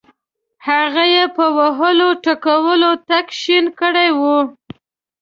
هغه یې په وهلو ټکولو تک شین کړی وو.